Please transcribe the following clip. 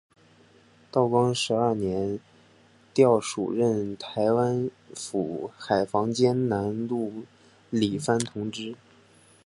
道光十二年调署任台湾府海防兼南路理番同知。